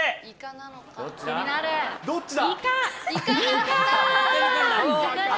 どっちだ？